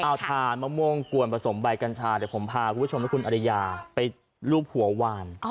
เอาทานมะม่วงกวนผสมใบกัญชาเดี๋ยวผมพาคุณผู้ชมและคุณอริยาไปรูปหัววาน